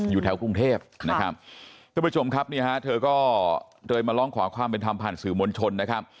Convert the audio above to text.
อยู่แถวกรุงเทพที่ทำผ่านสื่อมนชลนะครับ